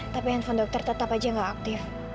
tapi handphone dokter tetap aja nggak aktif